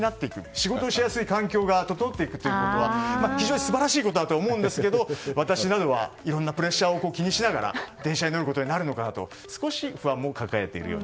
仕事をしやすい環境が整っていくというのは、非常に素晴らしいことだと思うんですが今度からは、いろいろなプレッシャーを感じながら電車に乗ることになるのかなと少し不安も抱えているような。